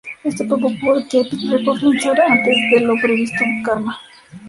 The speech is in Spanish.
Esto provocó que Epic Records lanzara antes de lo previsto: "Karma".